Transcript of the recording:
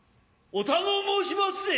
お頼申しますぜ。